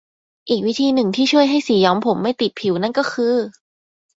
อีกวิธีหนึ่งที่ช่วยให้สีย้อมผมไม่ติดผิวนั่นก็คือ